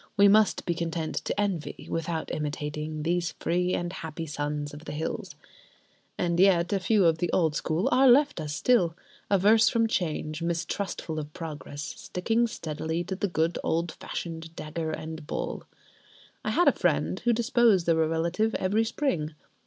We must be content to envy, without imitating, these free and happy sons of the hills. And yet a few of the old school are left us still: averse from change, mistrustful of progress, sticking steadily to the good old fashioned dagger and bowl. I had a friend who disposed of a relative every spring.